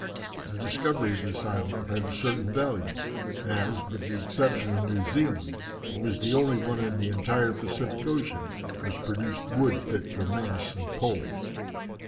The discovery of this island had a certain value, as, with the exception of New Zealand, it was the only one in the entire Pacific Ocean which produced wood fit for masts and poles.